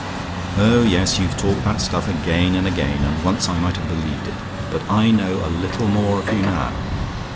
"Oh, yes! you've talked that stuff again and again; and once I might have believed it; but I know a little more of you now.